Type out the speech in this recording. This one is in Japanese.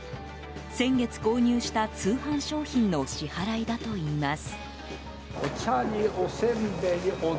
先月、購入した通販商品の支払いだといいます。